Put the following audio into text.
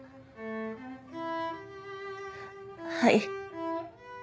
はい。